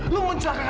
lu mencelakakan kaka